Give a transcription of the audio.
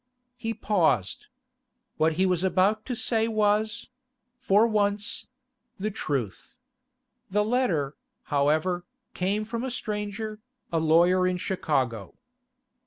He paused. What he was about to say was—for once—the truth. The letter, however, came from a stranger, a lawyer in Chicago.